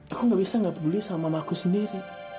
aku gak bisa gak peduli sama mama aku sendiri